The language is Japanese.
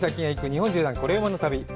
日本縦断コレうまの旅」。